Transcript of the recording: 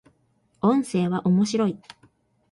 音声は、面白い